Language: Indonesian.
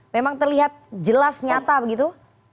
memang terlihat jelas nyata begitu